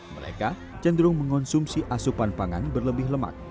mereka cenderung mengonsumsi asupan pangan berlebih lemak